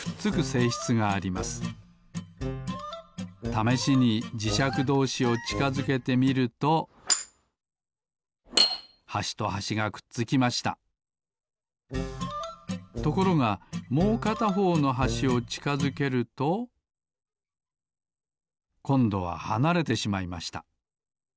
ためしにじしゃくどうしをちかづけてみるとはしとはしがくっつきましたところがもうかたほうのはしをちかづけるとこんどははなれてしまいました。